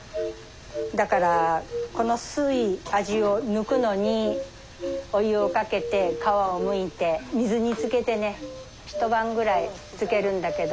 だからこの酸い味を抜くのにお湯をかけて皮をむいて水につけてね一晩くらいつけるんだけど。